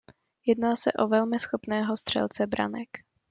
Jedná se o velmi schopného střelce branek.